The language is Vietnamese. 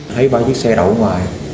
thấy ba chiếc xe đậu ngoài